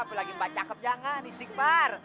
apalagi mbak cakep jangan istighfar